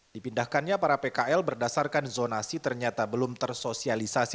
dipindahkannya para pkl berdasarkan zonasi ternyata belum tersosialisasi